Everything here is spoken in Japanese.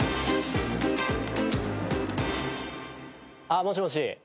あっもしもし。